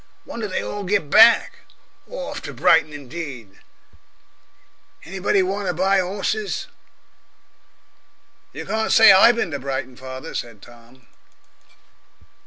Wonder they all get back. Orf to Brighton indeed! Anybody want to buy 'orses?" "You can't say I bin to Brighton, father," said Tom.